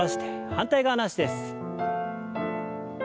反対側の脚です。